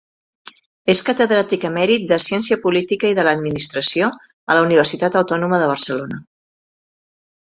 És catedràtic emèrit de ciència política i de l'administració a la Universitat Autònoma de Barcelona.